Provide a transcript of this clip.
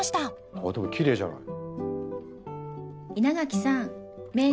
あっでもきれいじゃない？